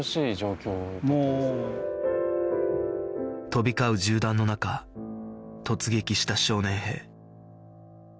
飛び交う銃弾の中突撃した少年兵